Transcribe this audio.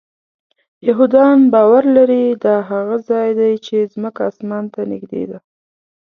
یهودان باور لري دا هغه ځای دی چې ځمکه آسمان ته نږدې ده.